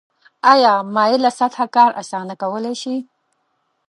آیا مایله سطحه کار اسانه کولی شي؟